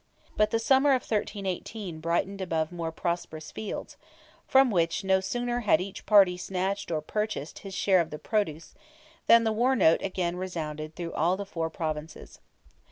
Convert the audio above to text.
But the summer of 1318 brightened above more prosperous fields, from which no sooner had each party snatched or purchased his share of the produce, than the war note again resounded through all the four Provinces.